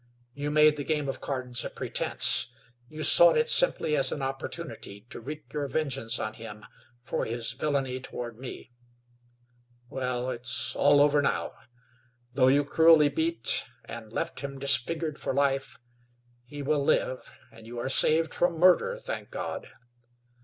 You made the game of cards a pretense; you sought it simply as an opportunity to wreak your vengeance on him for his villainy toward me. Well, it's all over now. Though you cruelly beat and left him disfigured for life, he will live, and you are saved from murder, thank God!